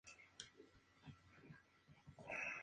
Con Lourdes Cilleruelo.